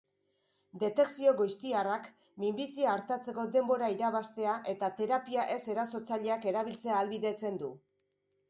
Detekzio goiztiarrak minbizia artatzeko denbora irabaztea eta terapia ez erasotzaileak erabiltzea ahalbidetzen du.